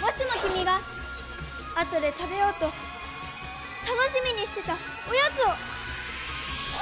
もしも君があとで食べようと楽しみにしてたおやつを。